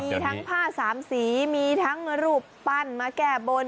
มีทั้งผ้าสามสีมีทั้งรูปปั้นมาแก้บน